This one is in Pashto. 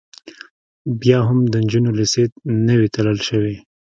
بیا هم د نجونو لیسې نه وې تړل شوې